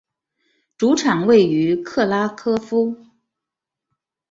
主场位于克拉科夫。